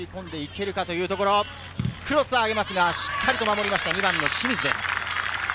クロスを上げますがしっかり守りました、２番・清水です。